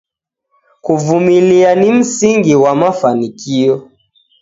Kuvumilia ni msingi ghwa mafanikio.